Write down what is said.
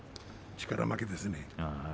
力負けですね。